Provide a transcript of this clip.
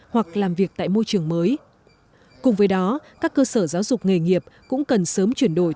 hoặc làm việc tại môi trường mới